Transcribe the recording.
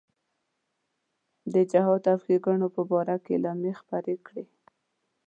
د جهاد او ښېګڼو په باره کې اعلامیې خپرې کړې.